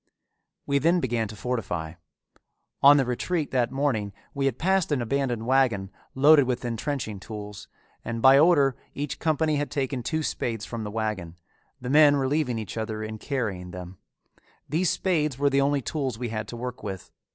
We then began to fortify. On the retreat that morning we had passed an abandoned wagon loaded with intrenching tools, and by order each company had taken two spades from the wagon, the men relieving each other in carrying them. These spades were the only tools we had to work with.